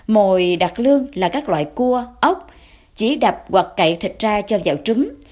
mồi đặt lươn là các loại cua ốc chỉ đập hoặc cậy thịt ra cho dạo trứng